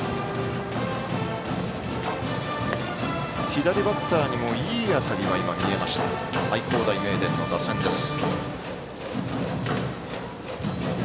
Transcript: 左バッターにもいい当たりが見られました愛工大名電の打線です。